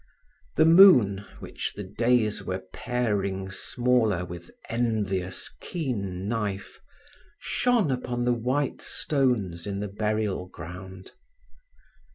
The moon, which the days were paring smaller with envious keen knife, shone upon the white stones in the burial ground.